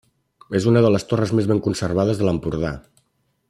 És una de les torres més ben conservades de l'Empordà.